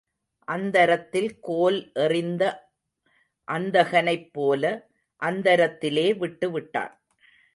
அந்தரத்தில் கோல் எறிந்த அந்தகனைப் போல, அந்தரத்திலே விட்டு விட்டான்.